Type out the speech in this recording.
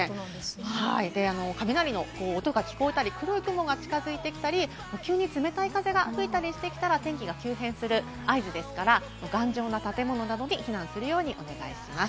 雷の音が聞こえたり、黒い雲が近づいてきたり急に冷たい風が吹いてきたりしたら、天気が急変する合図ですから、頑丈な建物などに避難するようにお願いします。